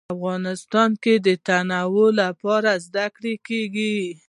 افغانستان کې د تنوع په اړه زده کړه کېږي.